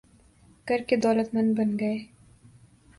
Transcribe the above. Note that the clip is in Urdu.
کر کے دولتمند بن گئے